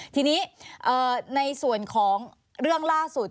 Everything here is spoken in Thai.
ทีนี้ในส่วนของเรื่องล่าสุด